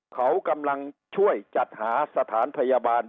เขากำลังช่วยจัดหาสถานพยาบาล